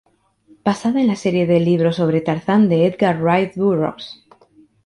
Basada en la serie de libros sobre Tarzán de Edgar Rice Burroughs.